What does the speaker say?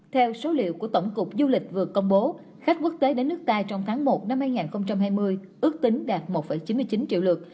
theo số liệu của tổng cục du lịch vừa công bố khách quốc tế đến nước ta trong tháng một năm hai nghìn hai mươi ước tính đạt một chín mươi chín triệu lượt